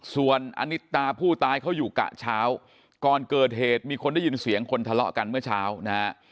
ส่วนอนิตาผู้ตายเขาอยู่กะเช้าก่อนเกิดเหตุมีคนได้ยินเสียงคนทะเลาะกันเมื่อเช้านะฮะ